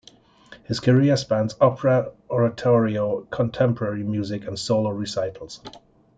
His career spans opera, oratorio, contemporary music and solo recitals.